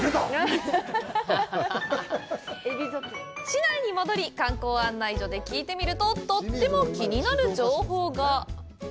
市内に戻り、観光案内所で聞いてみると、とっても気になる情報が！